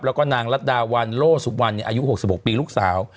แล้วก็นางรัฐดาวันโลสุวรรณอายุ๖๖ปีลูกสาว